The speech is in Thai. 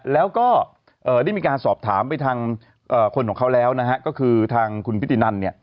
แล้วก็ได้มีการสอบถามไปทางคนของเขาแล้วนะฮะก็คือทางคุณพิธีนันเนี่ย